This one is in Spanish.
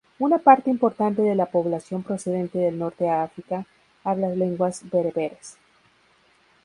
Una parte importante de la población procedente del norte de África habla lenguas bereberes.